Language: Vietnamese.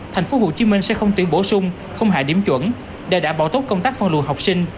tp hcm sẽ không tuyển bổ sung không hạ điểm chuẩn để đảm bảo tốt công tác phân luồng học sinh